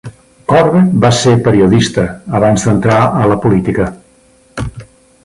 Corbett va ser periodista abans de entrar a la política.